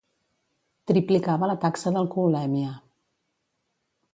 Triplicava la taxa d'alcoholèmia.